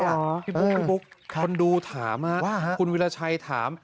พี่ปุ๊กคนดูถามคุณวิลชัยถาม